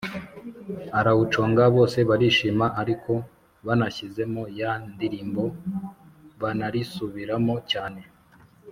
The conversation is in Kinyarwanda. arawuconga bose barishima ariko banashyizemo ya ndilimbo banarisubiramo cyane.